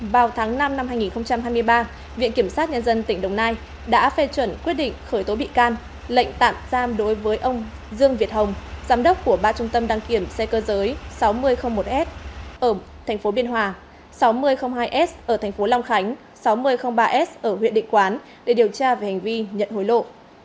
vào tháng năm năm hai nghìn hai mươi ba viện kiểm sát nhân dân tỉnh đồng nai đã phê chuẩn quyết định khởi tố bị can lệnh tạm giam đối với ông dương việt hồng giám đốc của ba trung tâm đăng kiểm xe cơ giới sáu nghìn một s ở thành phố biên hòa sáu nghìn hai s ở thành phố long khánh sáu nghìn ba s ở huyện định quán để điều tra về hành vi nhận hối lộ